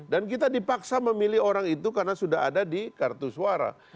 dan kita dipaksa memilih orang itu karena sudah ada di kartu suara